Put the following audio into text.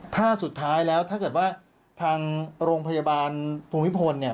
ถ้าสุดท้ายแล้วถ้าเกิดว่าทางโรงพยาบาลภูมิพลเนี่ย